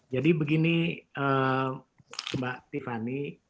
jadi begini mbak tiffany